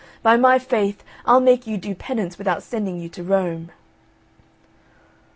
By my faith, I'll make you do penance without sending you to Rome."